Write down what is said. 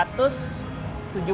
jangan indonesia dulu asian